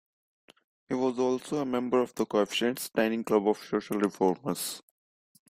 He was also a member of the Coefficients dining club of social reformers.